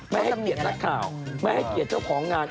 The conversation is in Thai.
ไม่ให้เกียรตินักข่าวไม่ให้เกียรติเจ้าของงาน